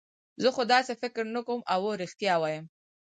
زه خو داسې فکر نه کوم، اوه رښتیا وایم.